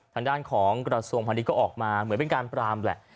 ทางด้านของกระทรวงพาณิชยก็ออกมาเหมือนเป็นการปรามแหละ